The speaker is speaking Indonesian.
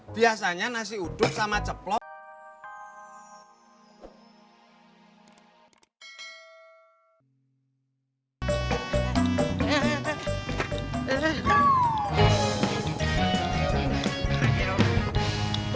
biasanya nasi uduk sama ceplok